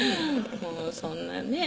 もうそんなね